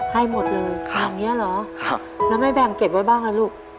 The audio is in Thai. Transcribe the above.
ให้หมดเลยอย่างนี้เหรอแล้วแม่แบ่งเก็บไว้บ้างอ่ะลูก